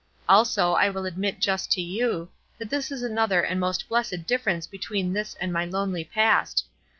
Also, I will admit just to you, that this is another and most blessed difference between this and my lonely past.